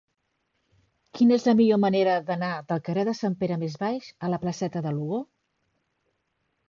Quina és la millor manera d'anar del carrer de Sant Pere Més Baix a la placeta de Lugo?